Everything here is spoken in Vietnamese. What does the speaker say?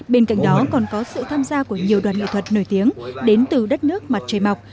bên cạnh đó còn có sự tham gia của nhiều đoàn nghệ thuật nổi tiếng đến từ đất nước mặt trời mọc